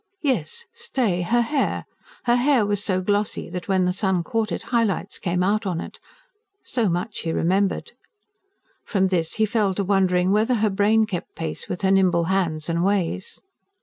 Yes, stay! her hair: her hair was so glossy that, when the sun caught it, high lights came out on it so much he remembered. From this he fell to wondering whether her brain kept pace with her nimble hands and ways.